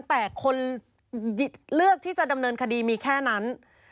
แต่คนเลือกที่จะดำเนินคดีมีแค่นั้น